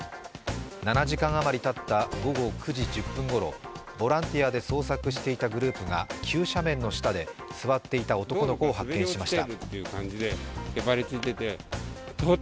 ７時間余りたった午後９時１０分ごろ、ボランティアで捜索していたグループが急斜面の下で座っていた男の子を発見しました。